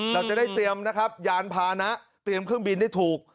เราจะได้เตรียมนะครับยานพานะเตรียมเครื่องบินได้ถูก